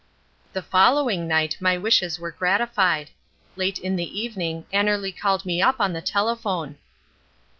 The following night my wishes were gratified. Late in the evening Annerly called me up on the telephone.